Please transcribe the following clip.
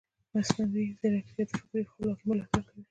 مصنوعي ځیرکتیا د فکري خپلواکۍ ملاتړ کوي.